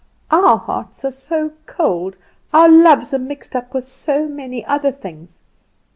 Our hearts are so cold, our loves are mixed up with so many other things.